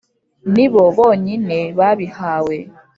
ni bo bonyine babihawe